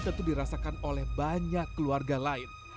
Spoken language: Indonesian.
tentu dirasakan oleh banyak keluarga lain